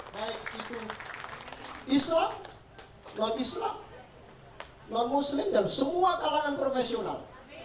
baik itu islam non islam non muslim dan semua kalangan profesional